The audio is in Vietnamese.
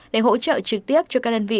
để hỗ trợ trực tiếp cho các đơn vị